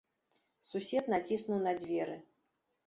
Сусед націснуў на дзверы.